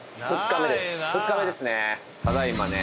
２日目ですね